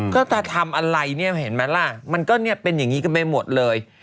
ก็ถ้าทำอะไรเนี่ยเห็นไหมล่ะมันก็เนี่ยเป็นอย่างนี้กันไปหมดเลย